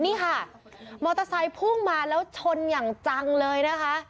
นี่ค่ะมอเตอร์ไซค์พุ่งมาแล้วชนอย่างจังเลยนะคะ